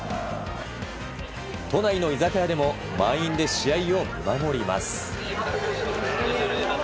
都内の居酒屋でも満員で試合を見守ります。